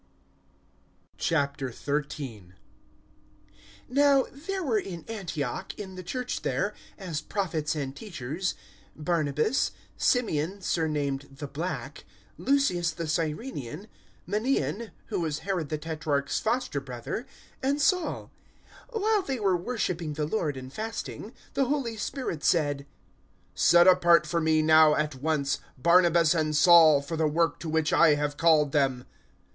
013:001 Now there were in Antioch, in the Church there as Prophets and teachers barnabas, Symeon surnamed `the black,' Lucius the Cyrenaean, Manaen (who was Herod the Tetrarch's foster brother), and Saul. 013:002 While they were worshipping the Lord and fasting, the Holy Spirit said, "Set apart for Me, now at once, Barnabas and Saul, for the work to which I have called them."